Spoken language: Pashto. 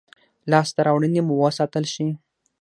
لاسته راوړنې مو وساتل شي.